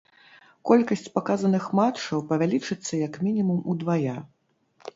Колькасць паказаных матчаў павялічыцца як мінімум удвая.